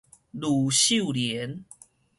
呂秀蓮